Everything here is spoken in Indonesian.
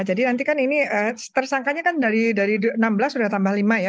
jadi nanti kan ini tersangkanya kan dari enam belas sudah tambah lima ya dua puluh satu ya